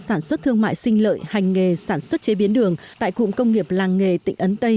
sản xuất thương mại sinh lợi hành nghề sản xuất chế biến đường tại cụm công nghiệp làng nghề tỉnh ấn tây